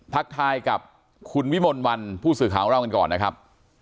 ทักทายกับคุณวิมลวันผู้สื่อข่าวของเรากันก่อนนะครับ